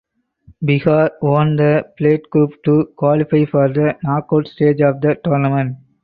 Bihar won the Plate Group to qualify for the knockout stage of the tournament.